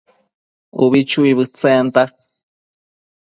ubi chuibëdtsenta